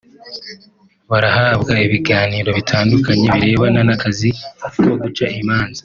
Barahabwa ibiganiro bitandukanye birebana n’akazi ko guca imanza